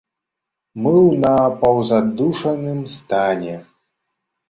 Мы ў напаўзадушаным стане.